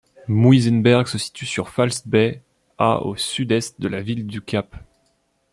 Muizenberg se situe sur False Bay à au sud-est de la ville du Cap.